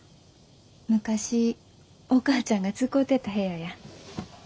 昔お母ちゃんが使てた部屋や。